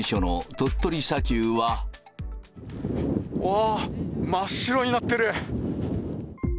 うわー、真っ白になってる。